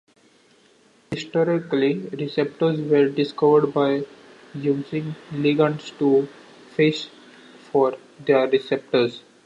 Historically, receptors were discovered by using ligands to "fish" for their receptors.